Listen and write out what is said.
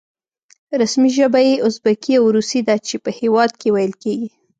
رسمي ژبه یې ازبکي او روسي ده چې په هېواد کې ویل کېږي.